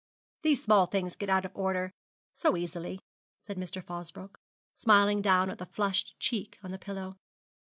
'These small things get out of order so easily,' said Mr. Fosbroke, smiling down at the flushed cheek on the pillow.